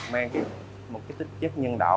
mang một cái tích chất nhân đạo